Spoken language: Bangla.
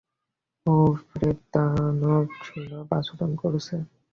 ও স্রেফ দানবসুলভ আচরণ করছে।